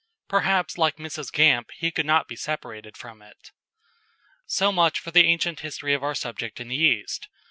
Perhaps like Mrs. Gamp he could not be separated from it. So much for the ancient history of our subject in the East.